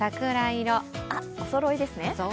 おそろいですね。